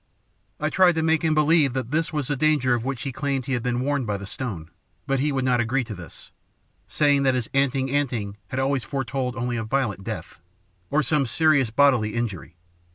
I tried to make him believe that this was the danger of which he claimed he had been warned by the stone, but he would not agree to this, saying that his 'anting anting' always foretold only a violent death, or some serious bodily injury.